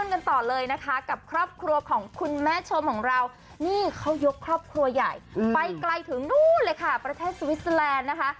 กันต่อเลยนะคะกับครอบครัวของคุณแม่ชมของเรานี่เขายกครอบครัวใหญ่ไปไกลถึงนู่นเลยค่ะประเทศสวิสเตอร์แลนด์นะคะ